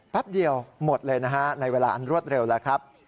เดียวหมดเลยนะฮะในเวลาอันรวดเร็วแล้วครับ